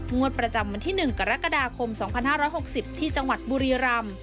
งวดประจำวันที่๑กรกฎาคม๒๕๖๐ที่จังหวัดบุรีรำ